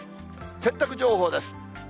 洗濯情報です。